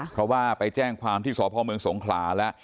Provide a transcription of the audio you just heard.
เพราะว่าไปแจ้งความที่สพเมืองสงขลาแล้ว